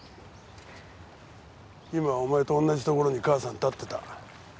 今お前と同じところに母さん立ってた。